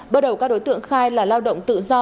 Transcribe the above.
bước đầu các đối tượng khai là lao động tự do